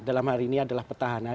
dalam hari ini adalah petahana